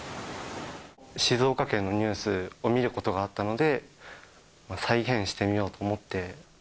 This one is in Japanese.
静岡県のニュースを見ることがあったので、再現してみようと思って。